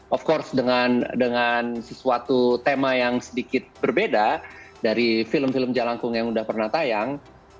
of course dengan sesuatu tema yang sedikit berbeda dari film film jalangkung yang udah pernah tayang